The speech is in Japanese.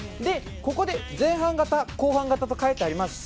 ここで前半型後半型と書いてあります。